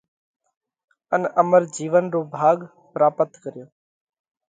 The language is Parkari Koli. ان امر جِيونَ رو ڀاڳ پراپت ڪريو۔